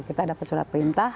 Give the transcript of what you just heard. kita dapat surat perintah